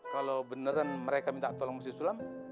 kalo beneran mereka minta tolong si sulam